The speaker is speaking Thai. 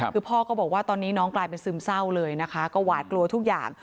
คือพ่อก็บอกว่าตอนนี้น้องกลายเป็นซึมเศร้าเลยนะคะก็หวาดกลัวทุกอย่าง